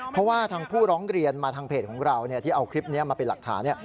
เพราะว่าทางผู้ร้องเรียนมาทางเพจของเราที่เอาคลิปนี้มาเป็นหลักฐาน